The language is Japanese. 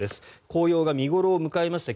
紅葉が見頃を迎えまして